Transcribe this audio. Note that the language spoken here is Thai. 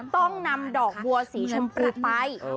ต้องนำดอกบัวสีชมพูไป